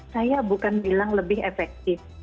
saya bukan bilang lebih efektif